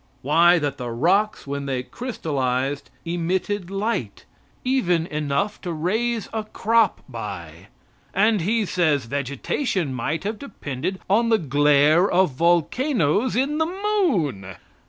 Why, that the rocks, when they crystallized, emitted light, even enough to raise a crop by. And he says "vegetation might have depended on the glare of volcanoes in the moon."